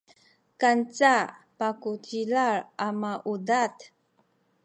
kanca pakucila a maudad